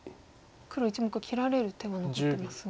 黒１目切られる手は残ってますが。